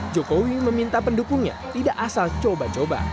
joko widodo meminta pendukungnya tidak asal coba coba